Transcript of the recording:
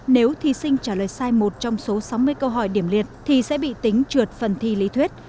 nếu thí sinh trả lời sai một trong số sáu mươi câu hỏi điểm liệt thì sẽ bị tính trượt phần thi lý thuyết